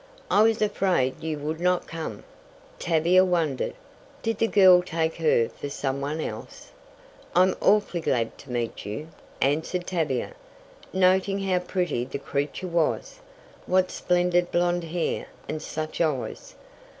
"I was afraid you would not come." Tavia wondered. Did the girl take her for some one else? "I'm awfully glad to meet you," answered Tavia, noting how pretty the creature was, what splendid blond hair, and such eyes!